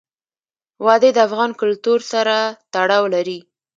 وادي د افغان کلتور سره تړاو لري.